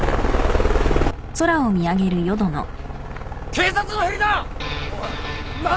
・警察のヘリだ！